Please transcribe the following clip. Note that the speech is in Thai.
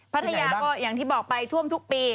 พัทยาก็อย่างที่บอกไปท่วมทุกปี